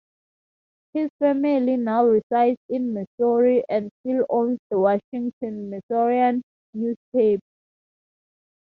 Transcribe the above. His family now resides in Missouri and still owns the "Washington Missourian" newspaper.